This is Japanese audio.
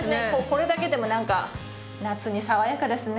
これだけでも何か夏に爽やかですね。